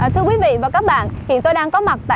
thưa quý vị và các bạn